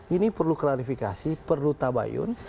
ini perlu klarifikasi perlu tabayun